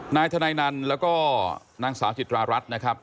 นายธนัยนั้นและก็นางสาวศิษฐรรณรัชนะครับ